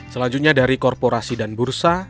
selanjutnya dari korporasi dan bursa